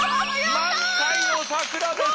満開の桜です。